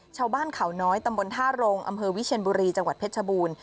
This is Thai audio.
ชาวบ้านเขาน้อยตำบลท่าโรงอำเภอวิเชียนบุรีจังหวัดเพชรชบูรณ์